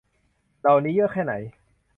เหล่านี้เยอะแค่ไหน